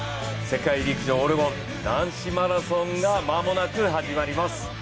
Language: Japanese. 世界陸上オレゴン男子マラソンがまもなく始まります。